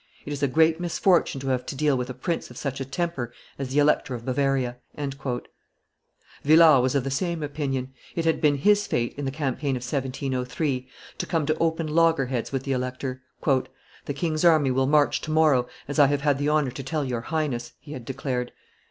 It is a great misfortune to have to deal with a prince of such a temper as the Elector of Bavaria." Villars was of the same opinion; it had been his fate, in the campaign of 1703, to come to open loggerheads with the elector. "The king's army will march to morrow, as I have had the honor to tell your Highness," he had declared.